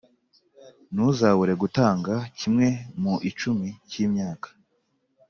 Ntuzabure gutanga kimwe mu icumi cy imyaka